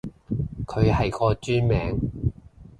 佢係個專名